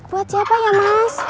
buat siapa ya mas